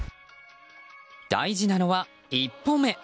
大事なのは、１歩目。